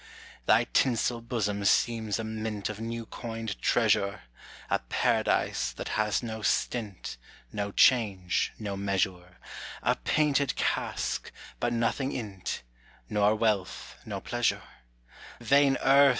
Thy tinsel bosom seems a mint Of new coined treasure; A paradise, that has no stint, No change, no measure; A painted cask, but nothing in 't, Nor wealth, nor pleasure: Vain earth!